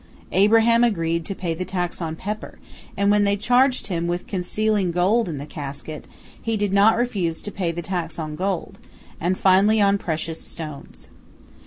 Abraham agreed to pay the tax on pepper, and when they charged him with concealing gold in the casket, he did not refuse to pay the tax on gold, and finally on precious stones.